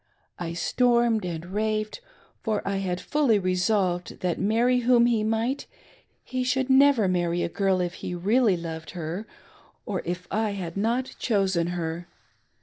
I stormed and raved, for I had fully resolved that, marry whom he might, he should never marry a, girl if he really loved her or if I had not chosen her.